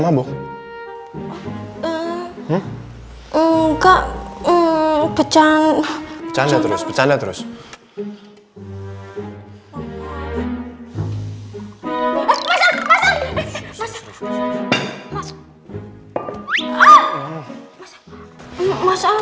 kau mau pergi kemana nih hari minggu